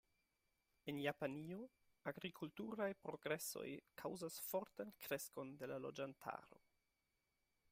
En Japanio, agrikulturaj progresoj kaŭzas fortan kreskon de la loĝantaro.